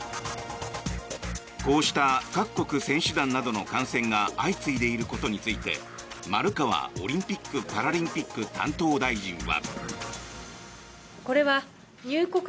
こうした各国選手団などの感染が相次いでいることについて丸川オリンピック・パラリンピック担当大臣は。